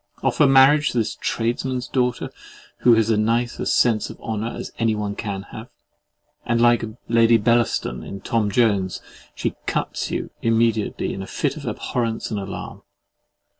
Offer marriage to this "tradesman's daughter, who has as nice a sense of honour as any one can have;" and like Lady Bellaston in Tom Jones, she CUTS you immediately in a fit of abhorrence and alarm.